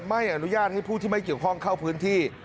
ไม่อนุญาตให้ผู้ที่ไม่เกี่ยวข้องเข้าพื้นที่